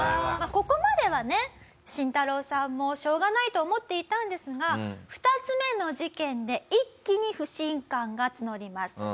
ここまではねシンタロウさんもしょうがないと思っていたんですが２つ目の事件で一気に不信感が募ります。